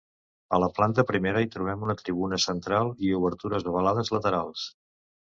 A la planta primera hi trobem una tribuna central i obertures ovalades laterals.